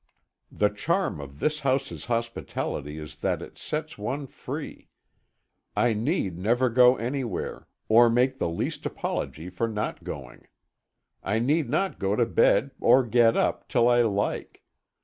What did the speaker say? The charm of this house's hospitality is that it sets one free. I need never go anywhere, or make the least apology for not going. I need not go to bed or get up till I like.